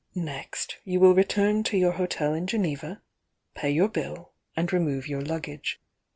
Next, you will return to your hotel in Geneva, pay your bill, and remove your luggage.